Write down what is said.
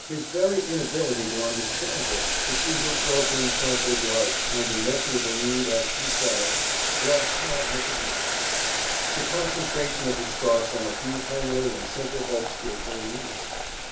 His very inability to understand her, to see her broken, trampled life and immeasurable need as she saw it, brought quietness of mind. The concentration of his thoughts on a few homely and simple hopes gave her immunity.